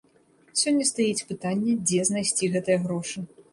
Сёння стаіць пытанне, дзе знайсці гэтыя грошы.